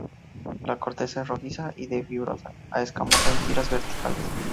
La corteza es rojiza, y de fibrosa a escamosa en tiras verticales.